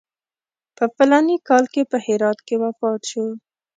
په فلاني کال کې په هرات کې وفات شو.